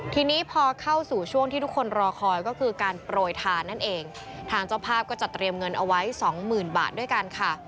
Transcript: ทีนี้พอเข้าสู่ช่วงที่ทุกคนรอคอยก็คือการโปรยทานนั่นเองทางเจ้าภาพก็จะเตรียมเงินเอาไว้สองหมื่นบาทด้วยกันค่ะ